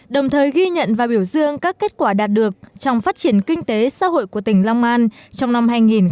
đồng thời ghi nhận và biểu dương các kết quả đạt được trong phát triển kinh tế xã hội của tỉnh long an trong năm hai nghìn một mươi chín